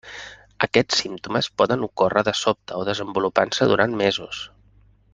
Aquests símptomes poden ocórrer de sobte o desenvolupar-se durant mesos.